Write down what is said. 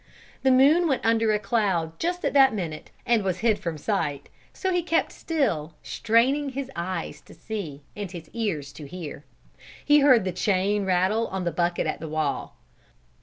The moon went under a cloud just at that minute and was hid from sight, so he kept still, straining his eyes to see and his ears to hear. He heard the chain rattle on the bucket at the well.